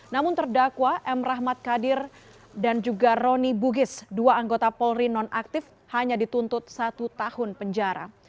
namun terdakwa m rahmat kadir dan juga roni bugis dua anggota polri non aktif hanya dituntut satu tahun penjara